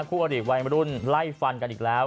คู่อดีตวัยมรุ่นไล่ฟันกันอีกแล้ว